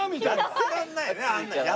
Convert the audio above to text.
やってらんないよねあんなの。